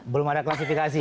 belum ada klasifikasi